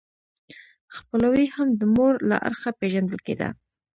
خپلوي هم د مور له اړخه پیژندل کیده.